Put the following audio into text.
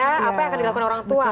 apa yang akan dilakukan orang tua